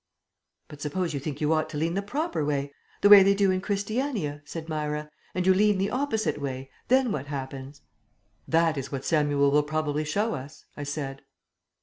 "But suppose you think you ought to lean the proper way, the way they do in Christiania," said Myra, "and you lean the opposite way, then what happens?" "That is what Samuel will probably show us," I said.